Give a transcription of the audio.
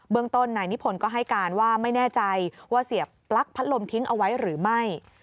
ต้นนายนิพนธ์ก็ให้การว่าไม่แน่ใจว่าเสียปลั๊กพัดลมทิ้งเอาไว้หรือไม่